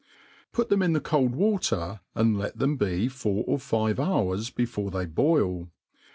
Put (hem in the cold water, and let them be four or. five hours before they boil.